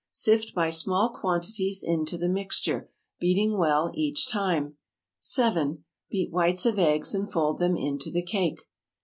Sift by small quantities into the mixture, beating well each time. 7. Beat whites of eggs and fold them into the cake.